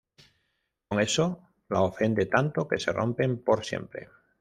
Con eso la ofende tanto que se rompen por siempre.